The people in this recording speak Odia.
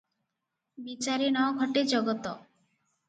ବିଚାରେ ନ ଘଟେ ଜଗତ।